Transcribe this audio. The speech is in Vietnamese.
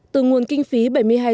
từ nguồn kinh phí